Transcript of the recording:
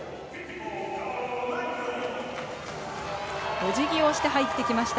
おじぎをして入ってきました。